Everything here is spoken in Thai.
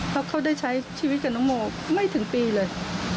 เพราะเขาได้ใช้ชีวิตกับน้องโมไม่ถึงปีเลย